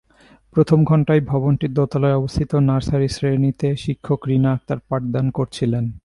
প্রথম ঘণ্টায় ভবনটির দোতলায় অবস্থিত নার্সারি শ্রেণীতে শিক্ষক রিনা আক্তার পাঠদান করছিলেন।